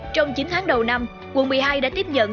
trong chín tháng đầu năm quận một mươi hai đã tiếp nhận